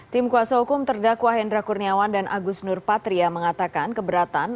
tim kuasa hukum terdakwa hendra kurniawan dan agus nurpatria mengatakan keberatan